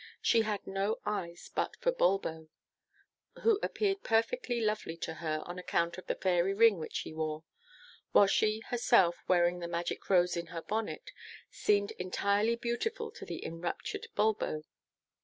She had no eyes but for Bulbo, who appeared perfectly lovely to her on account of the fairy ring which he wore; whilst she herself, wearing the magic rose in her bonnet, seemed entirely beautiful to the enraptured Bulbo.